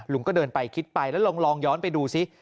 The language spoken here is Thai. ลุงก็เดินไปคิดไปแล้วลองย้อนไปดูซิ